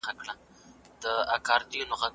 فکري بغاوت تر ټولو لوړ ارزښت لري.